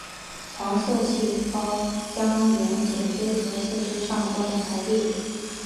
黄色素细胞将沿脊椎和四肢上端排列。